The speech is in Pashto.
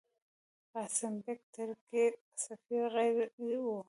قاسم بېګ، ترکی سفیر، غړی وو.